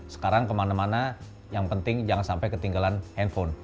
sekarang kemana mana yang penting jangan sampai ketinggalan handphone